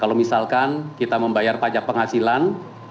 kalau misalkan kita membayar pajak penghasilan